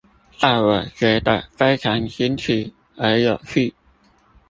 在我覺得非常新奇而有趣